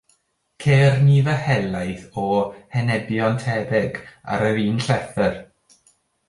Ceir nifer helaeth o henebion tebyg ar yr un llethr.